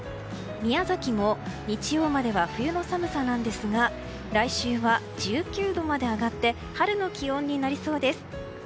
宮崎も水曜までは冬の寒さなんですが来週は、１９度まで上がって春の気温になりそうです。